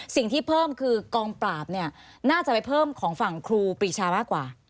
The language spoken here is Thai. สิ่งที่เพิ่มคือกองปราบเนี่ยน่าจะไปเพิ่มของฝั่งครูปรีชามากกว่า